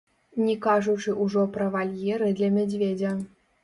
Не кажучы ўжо пра вальеры для мядзведзя.